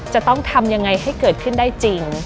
จะต้องทำยังไงให้เกิดขึ้นได้จริง